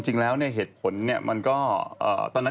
แต่อยู่ในโรงพยาบาล